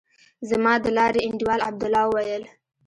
زما د لارې انډيوال عبدالله وويل.